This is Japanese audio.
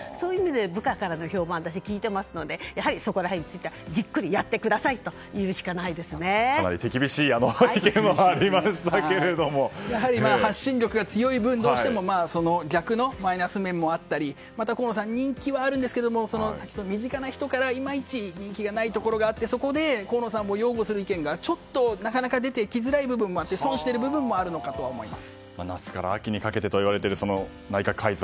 部下からの評判を私、聞いていますのでやはりそこら辺についてはじっくりやってくださいとかなり手厳しいアドバイスも発信力が強い分逆のマイナス面もあったりまた、河野さん人気はあるんですが身近な人からはいまいち人気がないところがあってそこで河野さんを擁護する意見がちょっと、なかなか出てきづらい部分もあって損している部分も夏から秋にかけてといわれている内閣改造。